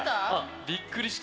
びっくりした。